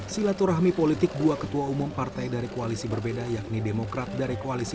silaturahmi politik dua ketua umum partai dari koalisi berbeda yakni demokrat dari koalisi